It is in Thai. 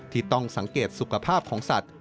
ที่ต้องสังเกตสุขภาพของสัตว์